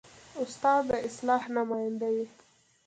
استاد د اصلاح نماینده وي.